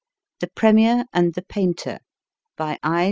THE PREMIER AND THE PAINTER BY I.